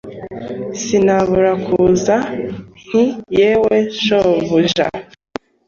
Sinabura kubaza nti Yewe shobuja